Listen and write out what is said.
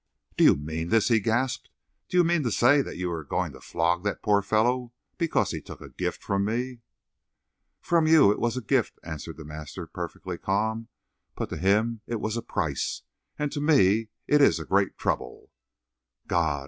"Do you mean this?" he gasped. "Do you mean to say that you are going to flog that poor fellow because he took a gift from me?" "From you it was a gift," answered the master, perfectly calm, "but to him it was a price. And to me it is a great trouble." "God!"